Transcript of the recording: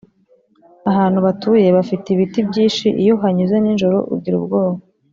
Ahantu batuye bafite ibiti byishi iyo uhanyuze ninjoro ugira ubwoba